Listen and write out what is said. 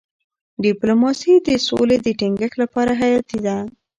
ډيپلوماسي د سولې د ټینګښت لپاره حیاتي ده.